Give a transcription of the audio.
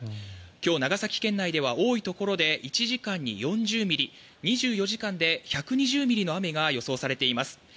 今日、長崎県内では多いところで１時間に４０ミリ２４時間で１２０ミリの雨が予想されています。